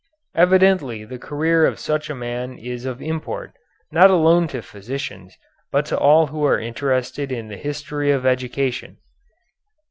Evidently the career of such a man is of import, not alone to physicians, but to all who are interested in the history of education.